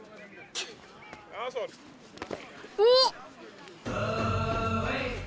おっ！？